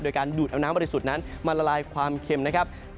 โดยการดูดเอาน้ำบริสุทธิ์นั้นมาละลายความเค็มนะครับ